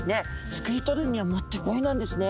すくい取るにはもってこいなんですね。